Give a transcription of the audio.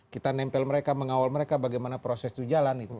kita nempel mereka mengawal mereka bagaimana proses itu jalan